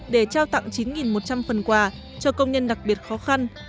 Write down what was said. để trao tặng chín một trăm linh phần quà cho công nhân đặc biệt khó khăn